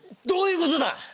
どういうことだ！